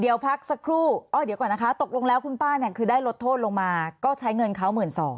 เดี๋ยวพักสักครู่อ้อเดี๋ยวก่อนนะคะตกลงแล้วคุณป้าเนี่ยคือได้ลดโทษลงมาก็ใช้เงินเขา๑๒๐๐